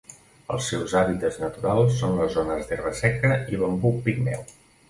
Els seus hàbitats naturals són les zones d'herba seca i bambú pigmeu.